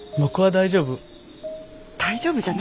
大丈夫じゃない。